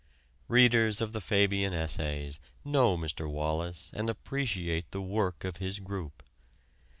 Readers of the Fabian Essays know Mr. Wallas and appreciate the work of his group.